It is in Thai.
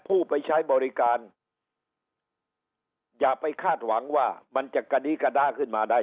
ผู้ไปใช้บริการอย่าไปคาดหวังว่ามันจะกระดี้กระด้าขึ้นมาได้